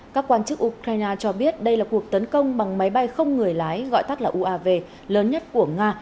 các quan chức ukraine cho biết đây là cuộc tấn công bằng máy bay không người lái gọi tắt là uav lớn nhất của nga